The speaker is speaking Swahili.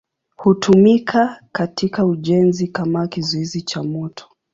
Hutumika katika ujenzi kama kizuizi cha moto.